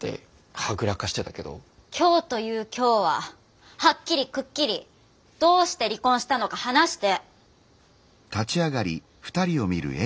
今日という今日ははっきりくっきりどうして離婚したのか話して。